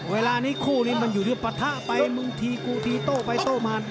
เวลานี้คู่ด้วยพระธะไปมึงทีกูทีโต้ไปโต้มา